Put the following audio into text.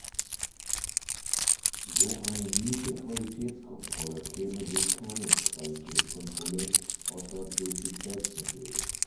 So eine miese Qualitätskontrolle käme durch keine Qualitätskontrolle, außer durch sich selbst natürlich.